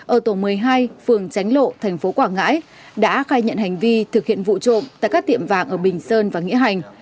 ở tổ một mươi hai phường tránh lộ thành phố quảng ngãi đã khai nhận hành vi thực hiện vụ trộm tại các tiệm vàng ở bình sơn và nghĩa hành